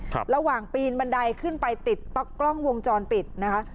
ระหว่างปีนบันไดขึ้นไปติดต๊อกกล้องวงจรปิดนะคะ